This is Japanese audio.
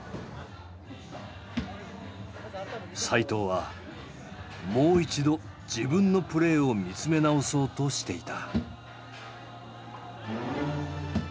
齋藤はもう一度自分のプレーを見つめ直そうとしていた。